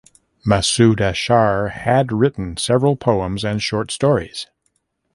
Masood Ashar had written several poems and short stories.